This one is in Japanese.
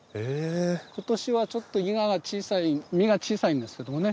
今年はちょっとイガが小さい実が小さいんですけどもね。